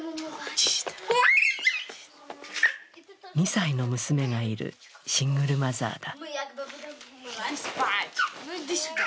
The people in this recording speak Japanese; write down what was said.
２歳の娘がいるシングルマザーだ。